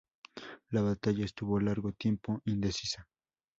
La batalla estuvo largo tiempo indecisa.